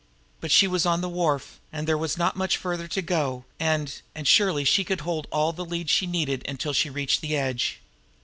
But she was on the wharf now, and there was not much farther to go, and and surely she could hold all the lead she needed until she reached the edge.